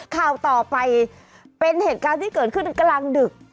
ข่าวต่อไปเป็นเหตุการณ์ที่เกิดขึ้นกลางดึก